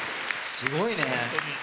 すごいね。